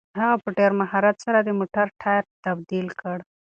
هغه په ډېر مهارت سره د موټر ټایر تبدیل کړ.